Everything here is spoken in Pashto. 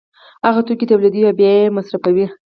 هغه توکي تولیدوي او بیا یې مصرفوي